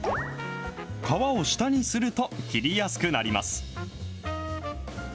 皮を下にすると、切りやすくなります。